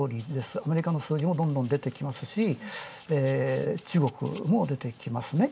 アメリカの数字もどんどん出てきますし、中国も出てきますね。